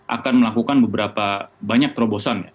akan melakukan beberapa banyak terobosan ya